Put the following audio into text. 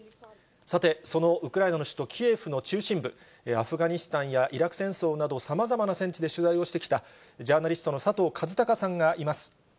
さて、そのウクライナの首都キエフの中心部、アフガニスタンやイラク戦争など、さまざまな戦地で取材をしてきた、ジャーナリストの佐藤和孝さんがいます。